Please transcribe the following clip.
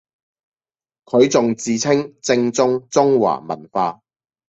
佢仲自稱正宗中華文化